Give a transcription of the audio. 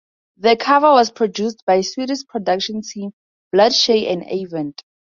The cover was produced by Swedish production team Bloodshy and Avant.